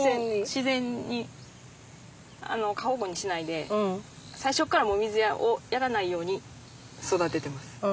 自然に過保護にしないで最初から水をやらないように育ててます。